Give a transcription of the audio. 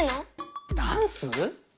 ダンス？